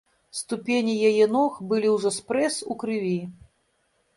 Ступені яе ног былі ўжо спрэс у крыві.